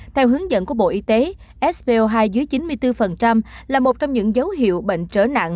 theo hướng dẫn của bộ y tế sbo hai dưới chín mươi bốn là một trong những dấu hiệu bệnh trở nặng